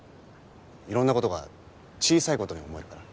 いろんな事が小さい事に思えるから。